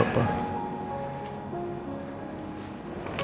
kamu tidak memberikan kesempatan sama aku